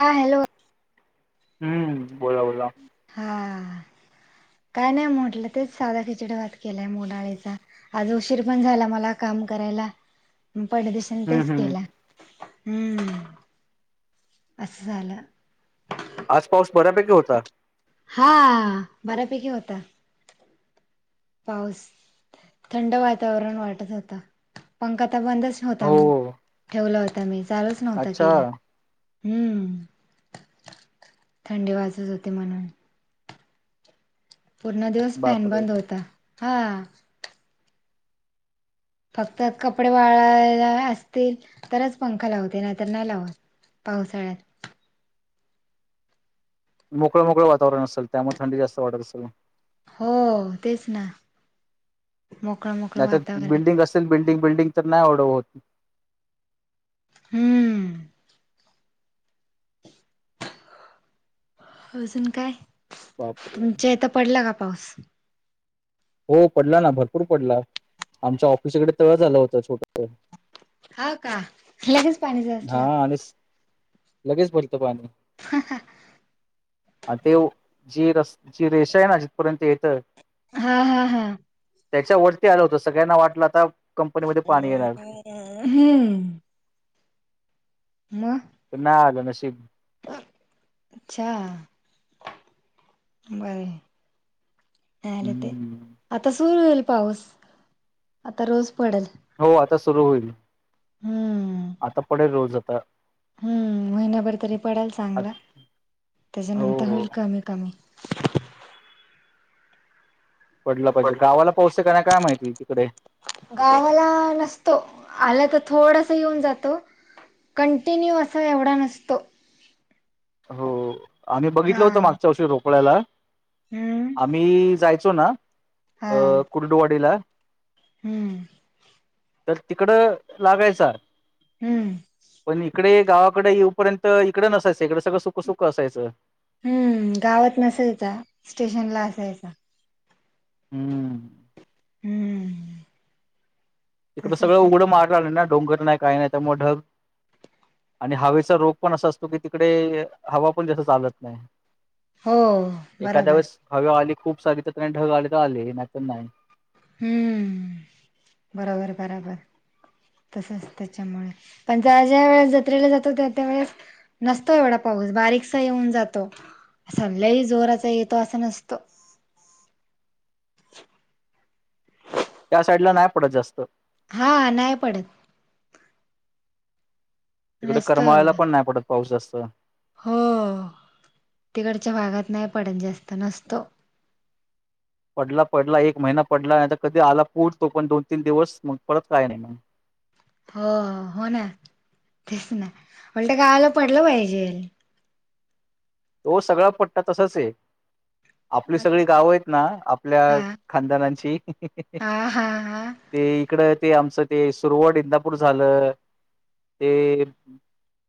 हा हॅलो. हम्म बोला बोला. [inaudible] आज उशीर पण झाला मला काम करायला पाहिला दिवसा. आणि हम्म तेच हम्म. केला हम्म. अस झालं. आज पाऊस बऱ्यापैकी होता. हा बऱ्यापैकी होता. पाऊस थंड वातावरण वाटत होता पंखा तर बंदच होता मी हो ठेवला होता मी चालूच नव्हता अच्छा केला. हम्म थंडी वाजत होते म्हणून. पूर्ण दिवस फॅन बापरे बंद होता हा. फक्त कपडे वाळायला असतील तरच पंखा लावते नाहीतर नाही लावत. पावसाळ्यात. मोकळं मोकळ वातावरण असेल त्यामुळ थंडी जास्त वाटत असल. हो तेच ना. मोकळं मोकळं नाही तर वातावरण बिल्डिंग असेल बिल्डिंग बिल्डिंग तर नाही येवढं होत. हम्म. अजून काय बापरे. तुमच्या इता पडला का पाऊस? हो पडला ना भरपूर पडला आमच्या ऑफिसकडे तळ झा आलं होतं छोटस. हा का. लगेच पाणी झा हा आणिच लगेच भरत पाणी. हा हा. अ ते जी रस जी रेषा आहे ना जिथपर्यंत येतं हा हा हा. त्याच्यावरती आलं होतं सगळ्यांना वाटलं आता कंपनीमध्ये पाणी येणार. हम् म तर नाही आलं नशीब. अच्छा बराय नाही आल ते हम्म आता सुरू होईल पाऊस आता रोज पडेल. हो आता सुरू होईल हम्म आता पडेल रोज आता हम्म महिन्या भर तरी पडाल चांगला हो त्याच्यानंतर हो होईल कमी कमी. पडलं पाहिजे गावाला पाऊस आहे का नाही काय माहिती तिकडे? गावाला नसतो आला तर थोडस येऊन जातो. कंटिन्यू असा एवढा नसतो. हो आम्ही बघितलं हा होत मागच्या वर्षी रोकड्याला हम्म आम्ही - - जायचो ना अ हा कुर्डुवाडीला हम्म. तर तिकडं लागायचा. हम्म पण इकडे गावाकड येऊपर्यंत इकडं नसायचं इकडं सगळं सुक सुक असायचं. हम्म गावात नसायचा स्टेशन ला असायचा. हम्म. हम्म. तिकड सगळं तसच आहे उघडं माळ रान आहे ना डोंगर नाही काही नाही त्यामुळे ढग आणि हवेचा रोग पण असा असतो की तिकडे हवा पण जस चालत नाही. हो एखाद्या बरोबर वेळेस हवा आली खूप सारी तर ढग आले तर आले नाही तर नाही. हम्म बरोबर बरोबर. तसच त्याच्यामुळे पण ज्या ज्या वेळेस जत्रेला जातो त्या त्या वेळेस नसतो एवढा पाऊस बारीकसा येऊन जातो असा लय जोराचा येतो असा नसतो. त्या साईड ला नाही पडत जास्त हा नाही पडत. तिकडे नसतो करमाळ्याला एवढा पण नाही पडत पाऊस जास्त हो तिकडच्या भागात नाही पडत जास्त नसतो. पडला पडला एक महिना पडला आणि आता कधी आला पूर तो पण दोन तीन दिवस मग परत काय नाही. हो हो ना तेच ना उलटं गावाला पडलं पाहिजे. तो सगळा पट्टा तसंच आहे. आपली हा सगळी गावं आहेत ना आपल्या खानदानांची हा हा हा ते इकड ते आमचं ते सुरोवड इंदापूर झालं ते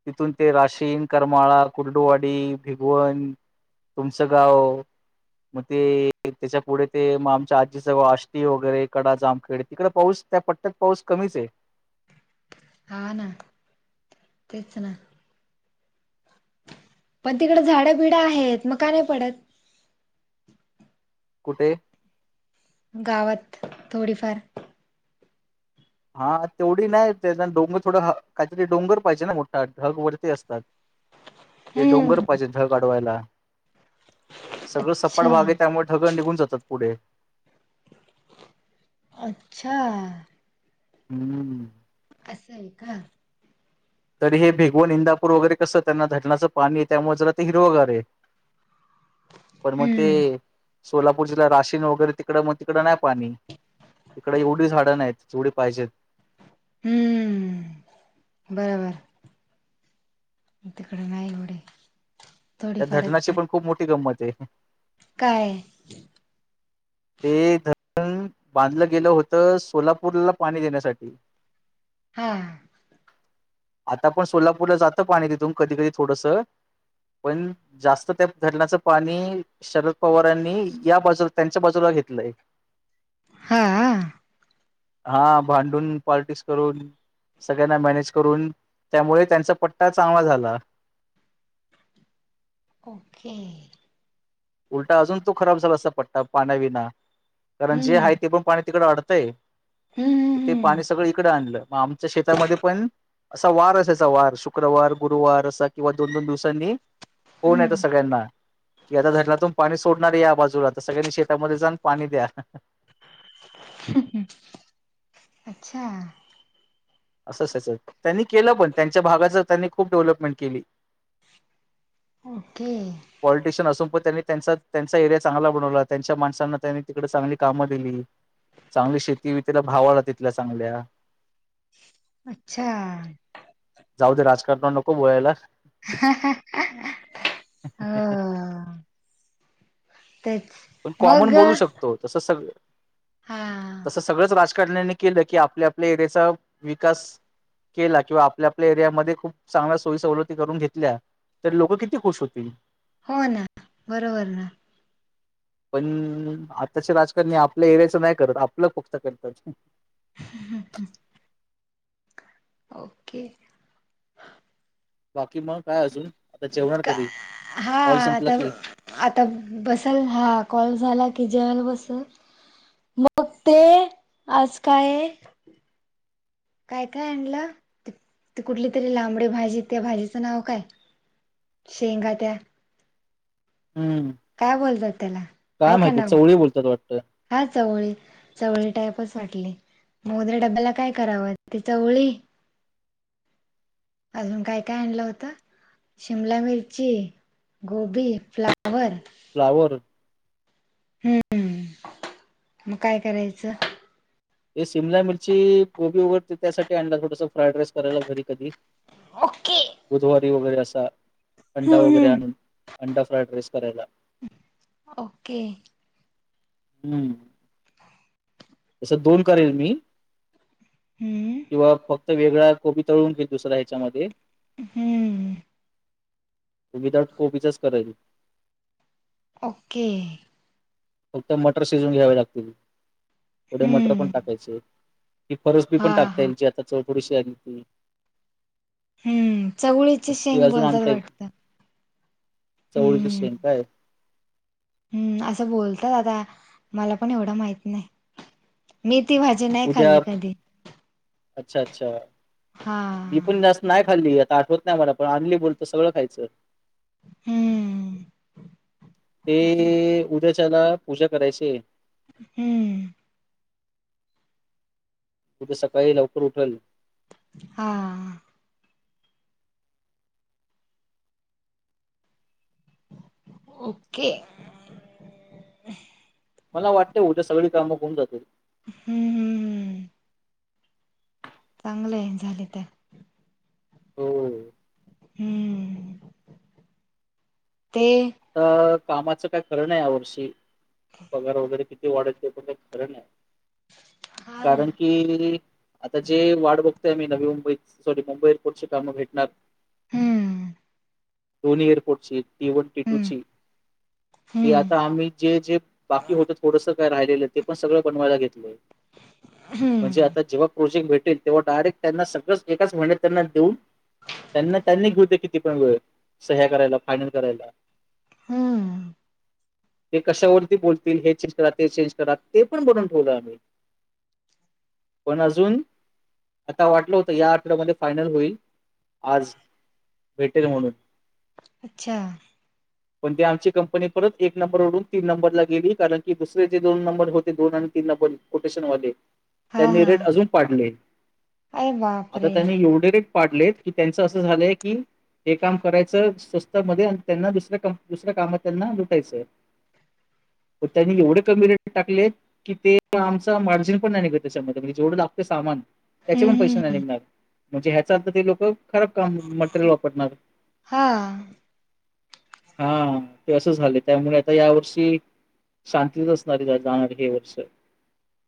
तिथून ते राशीन करमाळा कुर्डुवाडी भिगवण तुमचं गाव? मग ते त्याच्या पुढे ते मग आमच्या आजीचं आष्टी वगैरे कडा जामखेड तिकडे पाऊस त्या पट पाऊस कमीच आहे. हा ना तेच ना. पण तिकडं झाडं बिडं आहेत मग का नाही पडत. कुठे? गावात थोडीफार हा तेवढी नाही त्याना डोंगर थोडं काहीतरी डोंगर पाहिजे ना मोठा ढग वरती असतात. [inaudible] ते डोंगर पाहिजे ढग आढवायला. सगळं सपाट अच्छा भाग आहे त्यामुळे ढग निघून जातात पुढे अच्छा. हम्म. असं आहे का? तरी हे भिगवन इंदापूर वगैरे कसं त्यांना धरणाचं पाणी आहे त्यामुळे जरा ते हिरवगार आहे. पण मग ते हम्म सोलापूर जिल्हा राशिन वगैरे तिकड मग तिकडं नाही पाणी इकडे एवढी झाडं नाहीत तेवढी पाहिजेत. हम्मम्मम् बरोबर. म तिकडे नाही एवढ. त्या धरणाची पण खूप मोठी गंमत आहे. काय? ते धरण बांधलं गेलं होतं सोलापूरला पाणी देण्यासाठी हा. आता पण सोलापूरला जातं पाणी तिथून कधी कधी थोडंसं. पण जास्त त्या धरणाचं पाणी शरद पवारांनी या बाजूला त्यांच्या बाजूला घेतलंय. हा. हा भांडून पॉलिटिक्स करून सगळ्यांना मॅनेज करून त्यामुळे त्यांचा पट्टा चांगला झाला. ओके. उलटा अजून तो खराब झाला अस पटता पाण्याविना कारण जे हम्म आहे ते पण पाणी तिकड अडतंय. हम्म. ते हम्म पाणी सगळं इकड आणलं मग आमच्या शेतामध्ये पण असा वार असायचा वार शुक्रवार गुरुवार असा किंवा दोन दोन दिवसांनी फोन येतो हम्म. सगळ्यांना कि आता धरला पाणी सोडणार या बाजूला तर सगळ्यांनी शेतामध्ये जा आणि पाणी द्या. अच्छा असंचचं त्यांनी केलं पण त्यांच्या भागाची त्यांनी खूप डेव्हलपमेंट केली. ओके पॉलिटिशियन असून पण त्यांनी त्यांचा त्यांचा एरिया चांगला बनवला त्यांच्या माणसांना त्यांनी तिकडे चांगली कामं दिली. चांगली शेती बीजी भाव आला तिथल्या चांगल्या. अच्छा जाऊ दे राजकारणावर नको बोलायला. हा [inaudible] [inaudible] तेच पण कॉमन मग बोलू शकतो तस सगळ हा तस सगळंच राज ण्या केलं की आपल्या आपल्या एरियाचा विकास केला किंवा आपल्या आपल्या एरियामध्ये खूप चांगल्या सोयी सवलती करून घेतल्या तर लोक किती खुश होतील. हो ना बरोबर ना. पण आताचे राजकारणी आपल्या एरियाचं नाही करत आपलं फक्त करतात. [inaudible] ओके बाकी मग काय अजून आता जेवणार का कधी हा कॉल संपला आता की. आता बसल हा कॉल झाला की जेवायला बसल. मग ते आज काय. काय काय आणलं कुठली तरी लांबडी भाजी त्या भाजीचं नाव काय? शेंगा त्या. हम्म काय बोलतात त्याला? काय आहे का माहिती नाव चवळी बोलतात वाटतं. हा चवळी चवळी टाईपच वाटली. मग उद्या डब्याला काय करावं ति चवळी? अजून काय काय आणलं होतं? शिमला मिरची, गोबी, फ्लावर. फ्लावर. हम्म मग काय करायचं? हे शिमला मिरची गोबी वगैर ते त्यासाठी आणला थोडस फ्राईड राईस करायला घरी कधीतरी. ओके बुधवारी वगैरे असा. अंडा हम्म वगैरे हम्म आणून अंडा फ्राईड राईस करायला. ओके हम्म हम्म तसं दोन करेल मी हम्म किंवा फक्त वेगळ्या कोबी तळून घे दुसऱ्या ह्याच्यामध्ये. हम्म विदाऊट कोबीचाच करेल. ओके फक्त मटर शिजवून घ्यावे लागतील थोडे मटर पण हम्म टाकायचे. की फरसबी पण हा टाकता हा येतील आता चौथरीशी आली ती. हम्म चवळीची ती शेंग अजून बोलतात आणता येईल वाटतं. चवळीची हम्म शेंग काय हम्म असं बोलतात आता मला पण एवढं माहित नाही मी ती भाज जी नाही उद्या खाल्ली कधी. अच्छा अच्छा हा बी पण जास् नाय खाल्ली आता आठवत नाय मला पण आणली बोलत सगळं खायचं. हम्म ते उद्याचं उदया ना पूजा करायचीये. हम्म उदया सकाळी लवकर उठाले. हा. ओके मला वाटते उद्या सगळी कामं होऊन जातील. हम्म हम्म हम्म चांगलंय झाली तर होय. हम्म ते अ कामाचं काय खरं नाय या वर्षी पगार वगैरे किती वाढल ते पण काय खरं नाय. हा ना कारण की आता जे वाढ बघ ते मी नवी मुंबईत सॉरी मुंबईची फोर्स ची कामं भेटणार. हम्म. दोनी एअरपोर्टची टी वन टी हम्म टूची ते हम्म आता आम्ही जे जे बाकी होत थोडस काय राहिलेलं ते पण सगळं बनवायला घेतलंय म्हणजे आत हम्म आता जेव्हा प्रोजेक्ट भेटेल तेव्हा डायरेक्ट त्यांना सगळंचं एकाच महिनत त्यांना देऊन त्यांना त्यांनी घेऊते किती पण वेळ सह्या करायला फायनल करायला. हम्म. ते कशावरती बोलतील हे चेंज करा ते चेंज करा ते पण बनून ठेवलं आम्ही. पण अजून आता वाटलं होतं या आठवड्यामध्ये फायनल होईल आज भेटेल म्हणून अच्छा पण ते आमची कंपनी परत एक नंबर वरून तीन नंबरला गेली कारण की दुसर जे दोन नंबर होते दोन आणि तीन नंबर कोटेशनवाले हा त्यांनी हा रेट अजून पाडले अरे आता बापरे त्यांनी एवढे रेट पाडलेत की त्यांच अस झालंय की हे काम करायचं स्वस्त मध्ये आणि त्यांना डिस - दुसऱ्या कामात त्यांना लुटायचंय पण त्यांनी एवढे कमी रेट टाकलेत की ते आमचा मार्जिन पण नाय निघत त्याच्यामध्ये म्हणजे जेवढं लागत सामान- त्याचे हम्म पण पैसे हम्म नाय हम्म निघणार म्हणजे ह्याचा अर्थ ते लोक खराब काम मटेरियल वापरणार. हा. हा ते असं झालं त्यामुळे आता या वर्षी शांतीत असणारी जाणारी हे वर्ष.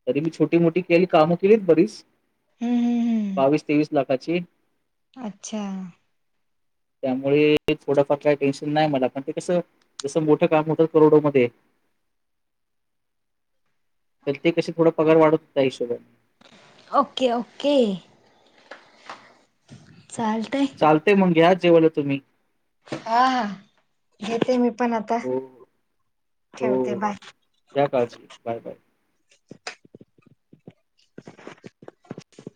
तरी मी छोटी मोठी केली कामं केलीत बरीच. हम्म हम्म बावीस तेवीस लाखाची. अच्छा त्यामुळे थोड फार काय टेशन नाय मला पण ते कसं जसं मोठं काम होतं करोडोमध्ये तर ते कशी थोडा पगार वाढत त्या हिशोबने. Okay okay. चालतंय. चालतय मंग घ्या जेवायला तुम्ही हा हा घेते मी पण आता हो हो ठेवते बाय. घ्या काळजी बाय बाय. [unintelligible]